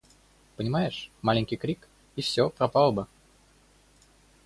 Понимаешь: малейший крик — и все пропало бы.